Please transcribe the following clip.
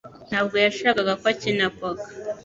Ntabwo yashakaga ko akina poker